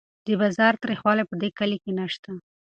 د بازار تریخوالی په دې کلي کې نشته.